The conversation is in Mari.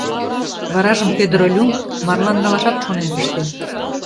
Варажым Пӧдыр Олюм марлан налашат шонен пыштен...